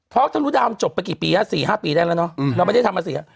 ทอร์คธรุดาวน์จบไปกี่ปีฮะ๔๕ปีได้แล้วเนาะเราไม่ได้ทำมาเสีย